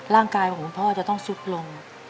ร่างกายของคุณพ่อจะต้องซุดลง